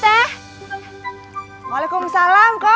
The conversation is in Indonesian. teh masa ada yang ngirimin motor